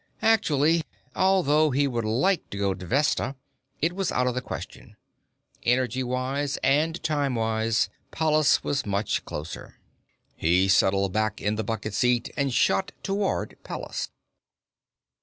Actually, although he would like to go to Vesta, it was out of the question. Energywise and timewise, Pallas was much closer. He settled back in the bucket seat and shot toward Pallas.